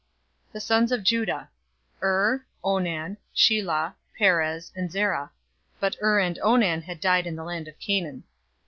046:012 The sons of Judah: Er, Onan, Shelah, Perez, and Zerah; but Er and Onan died in the land of Canaan.